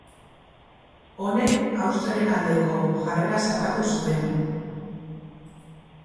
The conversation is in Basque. Honek austriarren aldeko jarrera zabaldu zuen.